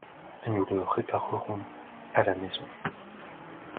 Nous le réparerons à la maison.